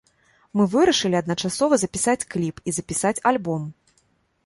Мы вырашылі адначасова запісаць кліп і запісаць альбом.